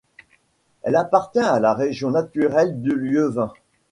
Elle appartient à la région naturelle du Lieuvin.